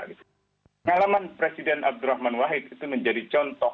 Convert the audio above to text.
pengalaman presiden abdurrahman wahid itu menjadi contoh